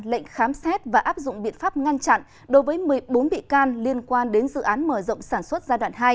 lệnh khám xét và áp dụng biện pháp ngăn chặn đối với một mươi bốn bị can liên quan đến dự án mở rộng sản xuất giai đoạn hai